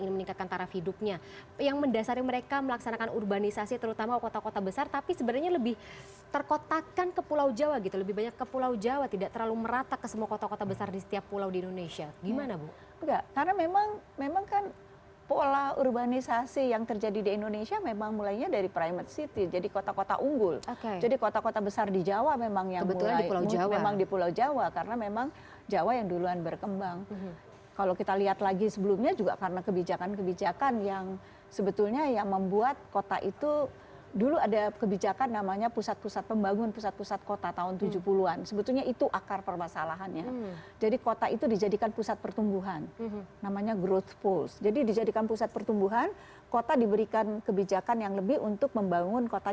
makanya yang besar adalah kota kota yang mendapatkan makanya ada orang bilang ada urban bias ya jadi ada bias terhadap pembangunan di kota